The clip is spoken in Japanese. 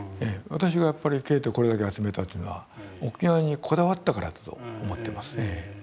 私がやっぱりケーテこれだけ集めたというのは沖縄にこだわったからだと思ってます。